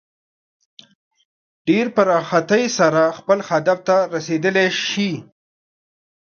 ډېر په راحتۍ سره خپل هدف ته رسېدلی شي.